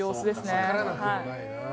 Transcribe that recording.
分からなくもないな。